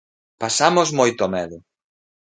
"Pasamos moito medo".